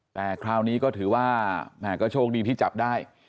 แต่คราวนี้ก็ถือว่าแหมก็โชคดีที่จับได้